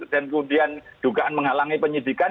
dan kemudian dugaan menghalangi penyidikan